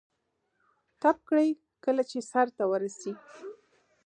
دوی يوازې د يوه ګټور پيغام په لټه کې وي.